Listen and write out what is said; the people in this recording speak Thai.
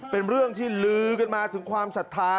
เป็นเรื่องที่ลือกันมาถึงความศรัทธา